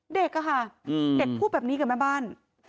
เด็กอะค่ะเด็กพูดแบบนี้กับแม่บ้าน